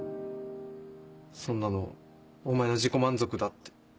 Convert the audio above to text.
そんなのお前の自己満足だって。